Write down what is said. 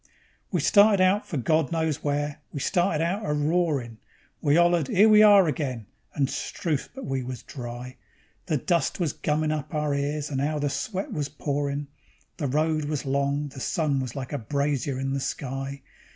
We started out for God Knows Where, we started out a roarin'; We 'ollered: "'Ere We Are Again", and 'struth! but we was dry. The dust was gummin' up our ears, and 'ow the sweat was pourin'; The road was long, the sun was like a brazier in the sky.